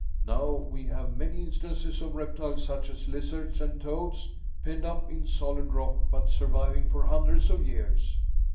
Now, we have many instances of reptiles such as lizards and toads penned up in solid rock but surviving for hundreds of years.